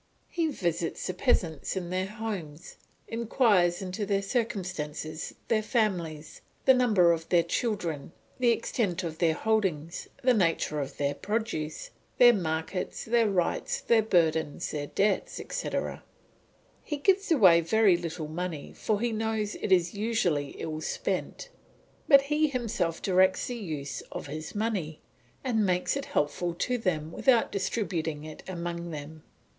He visits the peasants in their homes; inquires into their circumstances, their families, the number of their children, the extent of their holdings, the nature of their produce, their markets, their rights, their burdens, their debts, etc. He gives away very little money, for he knows it is usually ill spent; but he himself directs the use of his money, and makes it helpful to them without distributing it among them.